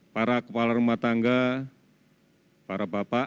para kepala rumah tangga para bapak